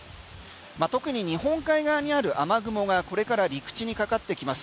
特に日本海側にある雨雲がこれから陸地にかかってきます。